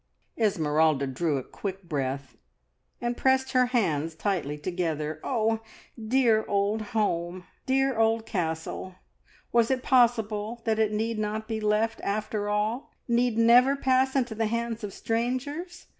Esmeralda drew a quick breath, and pressed her hands tightly together. Oh, dear old home! oh, dear old Castle! was it possible that it need not be left after all? need never pass into the hands of strangers?